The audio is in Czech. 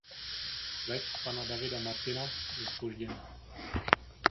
Let pana Davida Martina byl zpožděn.